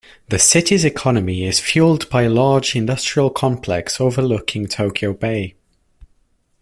The city's economy is fueled by a large industrial complex overlooking Tokyo Bay.